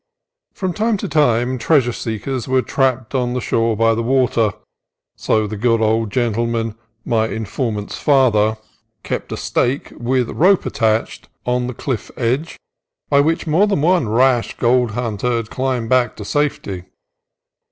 From time to time treasure seekers were trapped on the shore by the water, so the good old gentleman, my informant's father, 136 CALIFORNIA COAST TRAILS kept a stake, with rope attached, on the cliff edge, by which more than one rash gold hunter had climbed back to safety.